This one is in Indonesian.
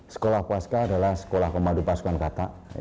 sekolah kopaska adalah sekolah komando pasukan katakan